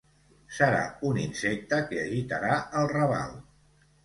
Serà un insecte que agitarà el raval.